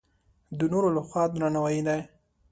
د نورو له خوا درناوی ده.